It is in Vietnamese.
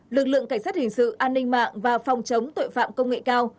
lực lượng cảnh sát hình sự an ninh mạng và phòng chống tội phạm công nghệ cao